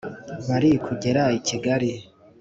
bari kugera i kigali,